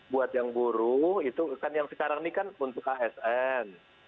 buat yang buruh itu kan yang sekarang ini kan untuk asn